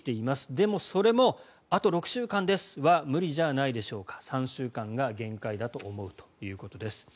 でも、それもあと６週間ですは無理じゃないでしょうか３週間が限界だと思うということです。